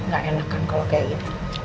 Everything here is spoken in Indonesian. gak enakan kalau kayak gitu